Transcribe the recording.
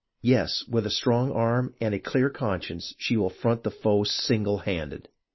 Yes, with a strong arm and a clear con science she will front the foe single handed !